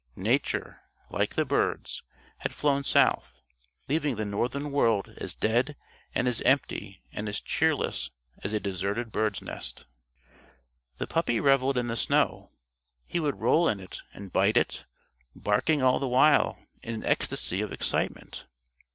Nature, like the birds, had flown south, leaving the northern world as dead and as empty and as cheerless as a deserted bird's nest. The puppy reveled in the snow. He would roll in it and bite it, barking all the while in an ecstasy of excitement.